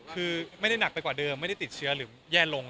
คือไม่ได้หนักไปกว่าเดิมไม่ได้ติดเชื้อหรือแย่ลง